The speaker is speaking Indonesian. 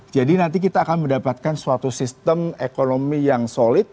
jadi nanti kita akan mendapatkan suatu sistem ekonomi yang solid